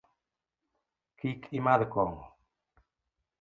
Kik imadh kong'o.